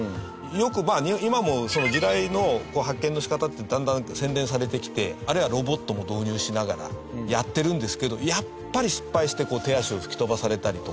今も地雷の発見の仕方ってだんだん洗練されてきてあるいはロボットも導入しながらやってるんですけどやっぱり失敗して手足を吹き飛ばされたりとか。